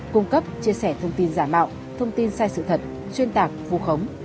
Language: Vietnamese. cung cấp chia sẻ thông tin giả mạo thông tin sai sự thật chuyên tạc vụ khống